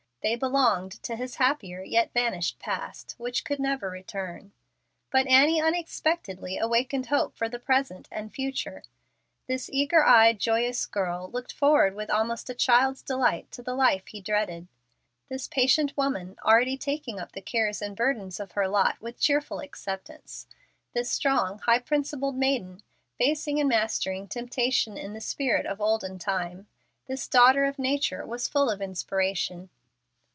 They belonged to his happier yet vanished past, which could never return. But Annie unexpectedly awakened hope for the present and future. This eager eyed, joyous girl, looking forward with almost a child's delight to the life he dreaded this patient woman already taking up the cares and burdens of her lot with cheerful acceptance this strong, high principled maiden, facing and mastering temptation in the spirit of the olden time this daughter of nature was full of inspiration.